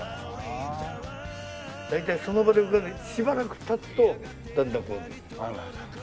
大体その場で浮かんでしばらく経つとだんだんこうなって。